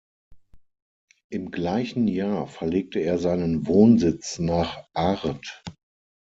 Im gleichen Jahr verlegte er seinen Wohnsitz nach Arth.